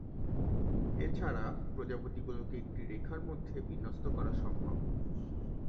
এছাড়া, প্রজাতিগুলোকে একটা রেখার মধ্যে বিন্যস্ত করাও সম্ভব।